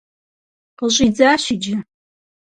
Къыщӏидзащ иджы!